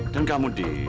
dan kamu di